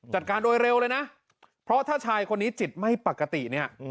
จัดการโดยเร็วเลยนะเพราะถ้าชายคนนี้จิตไม่ปกติเนี่ย